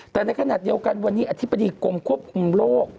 แต่ในขณะเดียวกันวันนี้อธิบดีกรมควบคุมโรค